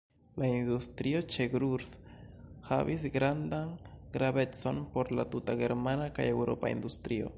La industrio ĉe Ruhr havis grandan gravecon por la tuta germana kaj eŭropa industrio.